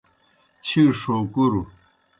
چِھیݜ ہو کُروْ